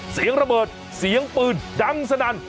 เสียงระเบิดเสียงปืนดังสนั่น